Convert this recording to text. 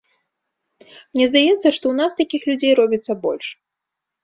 Мне здаецца, што ў нас такіх людзей робіцца больш.